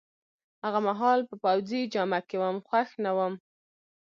هغه مهال په پوځي جامه کي وم، خوښ نه وم.